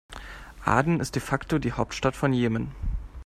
Aden ist de facto die Hauptstadt von Jemen.